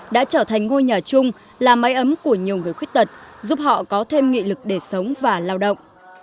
đã trở thành ngôi nhà chung là máy ấm của nhiều người khuyết tật giúp họ có thêm nghị lực để sống và lao động